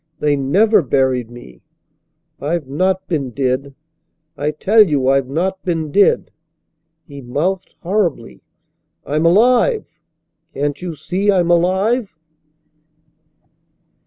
They never buried me. I've not been dead! I tell you I've not been dead!" He mouthed horribly. "I'm alive! Can't you see I'm alive?"